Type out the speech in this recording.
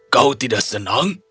kau tidak senang